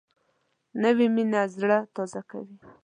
نوې مینه زړه تازه کوي